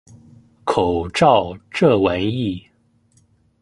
口罩這玩意